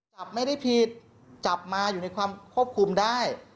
จับไม่ได้ผิดจับมาอยู่ในความควบคุมได้